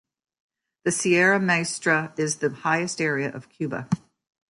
The Sierra Maestra is the highest area of Cuba.